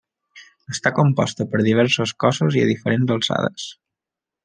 Està composta per diversos cossos i a diferents alçades.